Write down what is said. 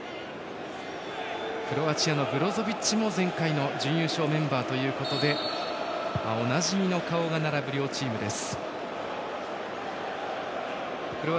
クロアチアのブロゾビッチも前回の準優勝メンバーということでおなじみの顔が並ぶ両チームです。